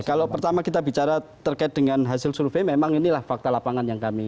kalau pertama kita bicara terkait dengan hasil survei memang inilah fakta lapangan yang kami